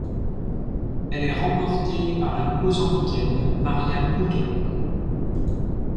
Elle est remportée par la Mozambicaine Maria Mutola.